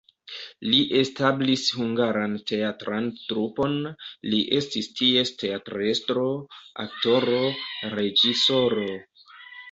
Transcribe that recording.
Li establis hungaran teatran trupon, li estis ties teatrestro, aktoro, reĝisoro.